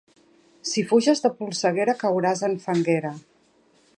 Si fuges de polseguera, cauràs en fanguera.